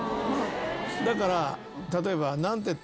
だから例えば。